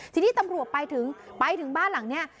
ทีนี้ตำรวจไปถึงไปถึงบ้านหลังนี้